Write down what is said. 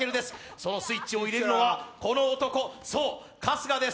そのスイッチを入れるのはこの男、そう、春日です。